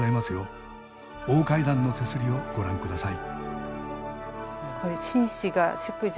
大階段の手すりをご覧下さい。